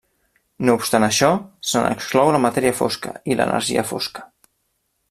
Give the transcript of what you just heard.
No obstant això, se n'exclou la matèria fosca i l'energia fosca.